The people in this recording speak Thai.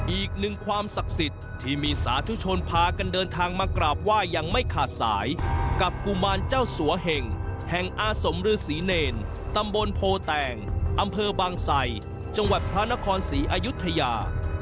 อีกหนึ่งความศักดิ์สิทธิ์ที่มีสาธุชนพากันเดินทางมากราบไหว้ยังไม่ขาดสายกับกุมารเจ้าสัวเห่งแห่งอาสมฤษีเนรตำบลโพแตงอำเภอบางไสจังหวัดพระนครศรีอายุทยา